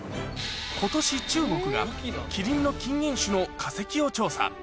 ことし、中国がキリンの近縁種の化石を調査。